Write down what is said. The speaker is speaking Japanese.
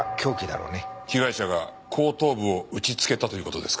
被害者が後頭部を打ちつけたという事ですか？